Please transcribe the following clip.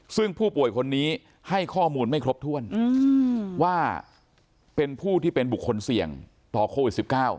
ซึ่งผู้ป่วยคนนี้ให้ข้อมูลไม่ครบถ้วนว่าเป็นผู้ที่เป็นบุคคลเสี่ยงต่อโควิด๑๙